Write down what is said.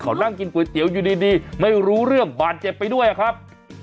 เขานั่งกินก๋วยเตี๋ยวอยู่ดีไม่รู้เรื่องบาดเจ็บไปด้วยอะครับ